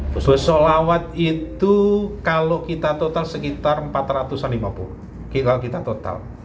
bus solawat itu kalau kita total sekitar empat ratus lima puluh